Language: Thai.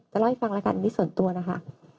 จะเล่าให้ฟังละกันที่ส่วนตัวนะคะ